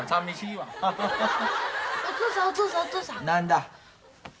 何だ？